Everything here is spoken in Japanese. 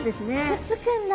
くっつくんだ。